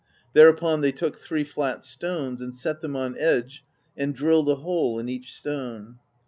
Thereupon they took three flat stones, and set them on edge and drilled a hole in each stone.